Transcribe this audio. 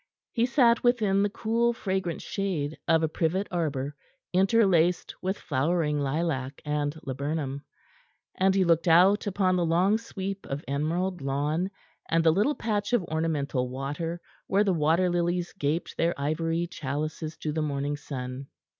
He sat within the cool, fragrant shade of a privet arbor, interlaced with flowering lilac and laburnum, and he looked out upon the long sweep of emerald lawn and the little patch of ornamental water where the water lilies gaped their ivory chalices to the morning sun.